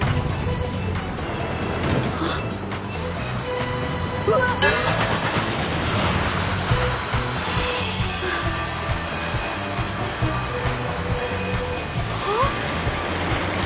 あうわっはあ？